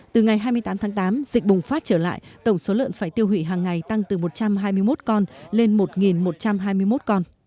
từ ngày hai mươi tám tháng tám dịch bùng phát trở lại tổng số lợn phải tiêu hủy hàng ngày tăng từ một trăm hai mươi một con lên một một trăm hai mươi một con